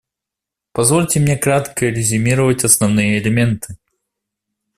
Позвольте мне кратко резюмировать основные элементы.